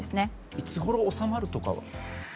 いつごろ収まるとかは？